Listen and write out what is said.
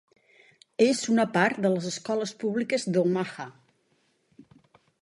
És una part de les escoles públiques d'Omaha.